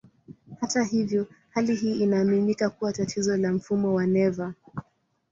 Hata hivyo, hali hii inaaminika kuwa tatizo la mfumo wa neva.